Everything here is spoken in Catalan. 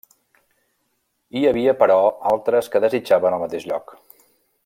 Hi havia, però altres que desitjaven el mateix lloc.